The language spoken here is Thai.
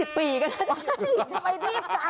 อีกไปดีจัง